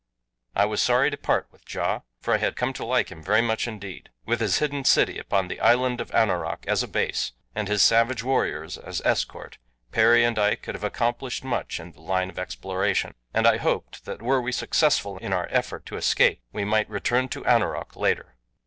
I was sorry to part with Ja, for I had come to like him very much indeed. With his hidden city upon the island of Anoroc as a base, and his savage warriors as escort Perry and I could have accomplished much in the line of exploration, and I hoped that were we successful in our effort to escape we might return to Anoroc later.